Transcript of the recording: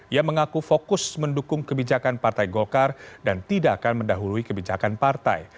ia mengaku fokus mendukung kebijakan partai golkar dan tidak akan mendahului kebijakan partai